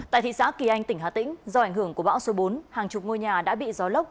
tại thị xã kỳ anh tỉnh hà tĩnh do ảnh hưởng của bão số bốn hàng chục ngôi nhà đã bị gió lốc